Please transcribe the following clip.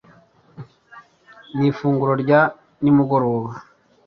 nifunguro rya nimugoroba